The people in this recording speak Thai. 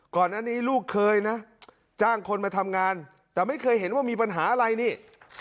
ก่อนอันนี้ลูกเคยนะจ้างคนมาทำงานแต่ไม่เคยเห็นว่ามีปัญหาอะไรนี่